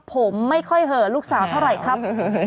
ผมไม่ค่อยเหอะลูกสาวเท่าไหร่ครับ